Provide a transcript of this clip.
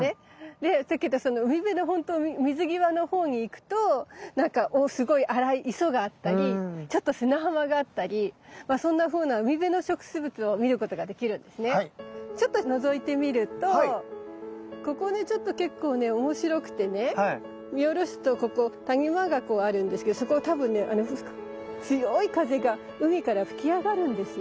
でだけどその海辺のほんと水際のほうに行くとなんかすごい粗い磯があったりちょっと砂浜があったりまあそんなふうなちょっとのぞいてみるとここねちょっと結構ね面白くてね見下ろすとここ谷間がこうあるんですけどそこは多分ね強い風が海から吹き上がるんですよ。